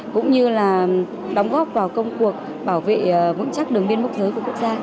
cũng như là đóng góp vào công cuộc bảo vệ vững chắc đường biên mốc giới của quốc gia